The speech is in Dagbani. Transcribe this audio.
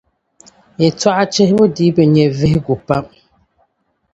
Yɛltͻɣa chihibu dii bi nya vihigu pam.